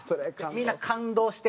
みんな感動して。